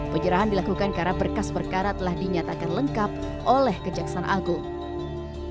penyerahan dilakukan karena berkas perkara telah dinyatakan lengkap oleh kejaksaan agung